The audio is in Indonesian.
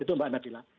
itu mbak nabila